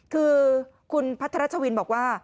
คือคุณพัทรวินบอกว่า